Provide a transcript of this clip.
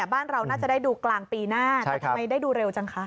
บ้านเราน่าจะได้ดูกลางปีหน้าแต่ทำไมได้ดูเร็วจังคะ